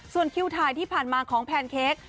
ส่วนคิวถ่ายที่ผ่านมาของแพนเค้ก